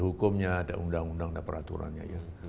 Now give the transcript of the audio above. hukumnya ada undang undang ada peraturannya ya